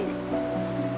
sekarang gini aja wi